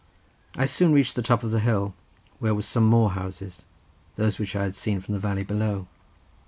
I soon reached the top of the hill, where were some more houses, those which I had seen from the valley below.